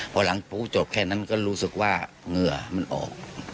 พอหลังปูจบแค่นั้นก็รู้สึกว่าเหงื่อมันออก